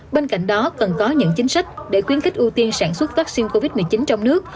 bên cạnh đó cần có những chính sách để khuyến khích ưu tiên sản xuất vaccine covid một mươi chín trong nước